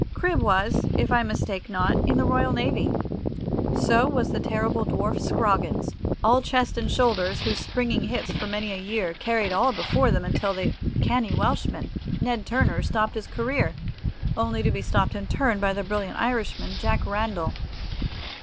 Cribb was, if I mistake not, in the Royal Navy. So was the terrible dwarf Scroggins, all chest and shoulders, whose springing hits for many a year carried all before them until the canny Welshman, Ned Turner, stopped his career, only to be stopped in turn by the brilliant Irishman, Jack Randall.